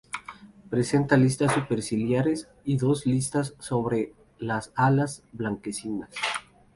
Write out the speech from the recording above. Presenta listas superciliares y dos listas sobre las alas blanquecinas.